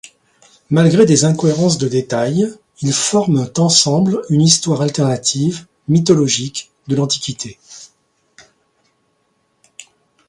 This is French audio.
Malgré des incohérences de détail, ils forment ensemble une histoire alternative, mythologique, de l'Antiquité.